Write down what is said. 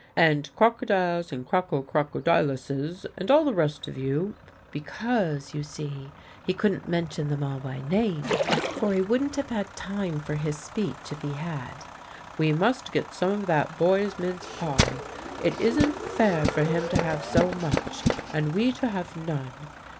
'And crocodiles and croco crocodilesses and all the rest of you,' because, you see, he couldn't mention them all by name, for he wouldn't have had time for his speech if he had; 'we must get some of that boy's mince pie. It isn't fair for him to have so much, and we to have none.